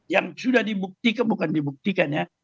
yang sudah dibuktikan bukan dibuktikan ya